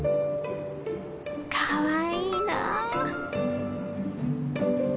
かわいいなあ。